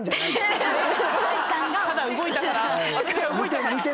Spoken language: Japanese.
私が動いたから。